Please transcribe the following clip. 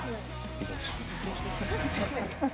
いきます。